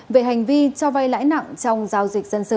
về hành vi cho vay lãi nặng trong giao dịch dân sự